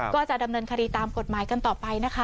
ก็จะดำเนินคดีตามกฎหมายกันต่อไปนะคะ